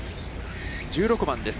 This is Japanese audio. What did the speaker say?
１６番です。